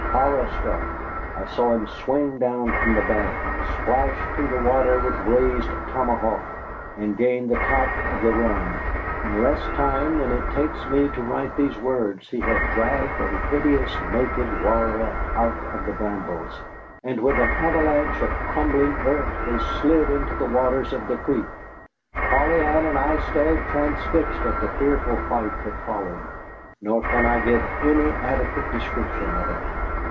Horror struck, I saw him swing down from the bank, splash through the water with raised tomahawk, and gain the top of the run. In less time than it takes me to write these words he had dragged a hideous, naked warrior out of the brambles, and with an avalanche of crumbling earth they slid into the waters of the creek. Polly Ann and I stared transfixed at the fearful fight that followed, nor can I give any adequate description of it.